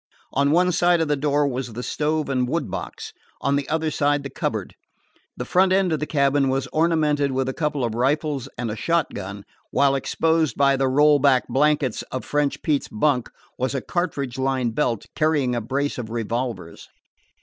On one side of the door was the stove and wood box, on the other the cupboard. The front end of the cabin was ornamented with a couple of rifles and a shot gun, while exposed by the rolled back blankets of French Pete's bunk was a cartridge lined belt carrying a brace of revolvers.